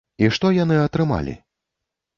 І што яны атрымалі?